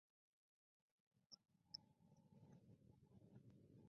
Se ha reproducido en cautiverio.